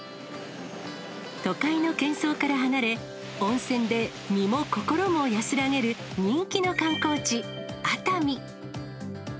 都会のけん騒から離れ、温泉で身も心も安らげる人気の観光地、熱海。